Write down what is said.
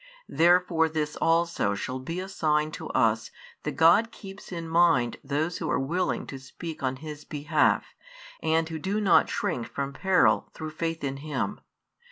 Therefore this also shall be a sign to us that God keeps in mind those who are willing to speak on His behalf and who do not shrink from peril through faith in Him.